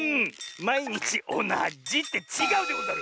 まいにちおなじ！ってちがうでござる！